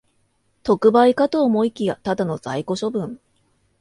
特売かと思いきや、ただの在庫処分